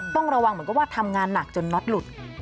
ต้องระวังเหมือนกับว่าทำงานหนักจนน็อตหลุด